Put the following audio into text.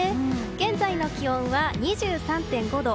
現在の気温は２３．５度。